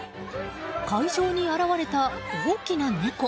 会場に現れた大きな猫。